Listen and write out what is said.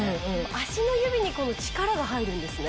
足の指に力が入るんですね。